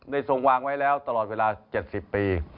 ทรงวางไว้แล้วตลอดเวลา๗๐ปี